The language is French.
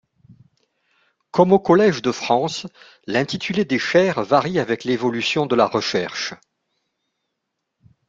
Comme au Collège de France l'intitulé des chaires varie avec l'évolution de la recherche.